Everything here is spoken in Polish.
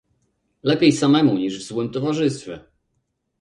"lepiej samemu niż w złym towarzystwie!"